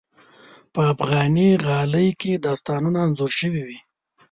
په افغاني غالۍ کې داستانونه انځور شوي وي.